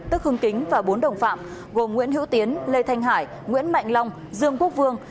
tức hưng kính và bốn đồng phạm gồm nguyễn hữu tiến lê thanh hải nguyễn mạnh long dương quốc vương